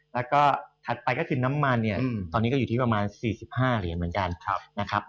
แล้วก็ถัดไปก็คือน้ำมันเนี่ยตอนนี้ก็อยู่ที่ประมาณ๔๕เหรียญเหมือนกันนะครับ